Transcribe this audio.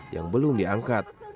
yang belum diangkat